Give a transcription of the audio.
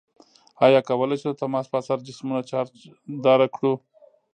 آیا کولی شو د تماس په اثر جسمونه چارج داره کړو؟